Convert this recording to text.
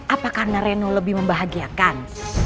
apa karena reno lebih membahagiakan